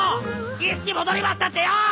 意識戻りましたってよ！！